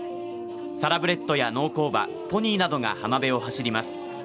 サラブレッドや農耕馬ポニーなどが浜辺を走ります。